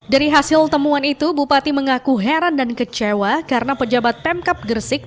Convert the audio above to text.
dari hasil temuan itu bupati mengaku heran dan kecewa karena pejabat pemkap gresik